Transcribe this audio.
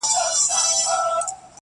هغه شملې ته پیدا سوی سر په کاڼو ولي!!